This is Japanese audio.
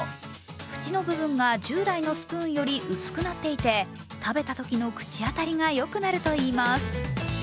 縁の部分が従来のスプーンより薄くなっていて、食べたときの口当たりがよくなるといいます。